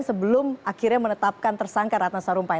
sebelum akhirnya menetapkan tersangka ratna sarumpait